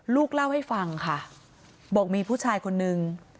ลูกเล่าให้ฟังค่ะบอกมีผู้ชายคนนึง